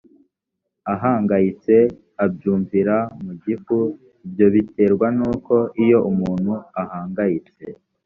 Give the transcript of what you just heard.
ahangayitse abyumvira mu gifu ibyo biterwa n uko iyo umuntu ahangayitse